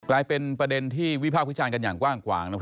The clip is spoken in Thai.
กลายเป็นประเด็นที่วิพากษ์วิจารณ์กันอย่างกว้างขวาง